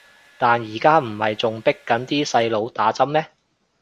但而家唔係仲迫緊啲細路打針咩